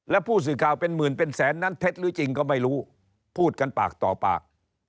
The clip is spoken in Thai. และผู้สื่อข่าวเป็นหมื่นเป็นแสนนั้นเท็จหรือจริงก็ไม่รู้พูดกันปากต่อปาก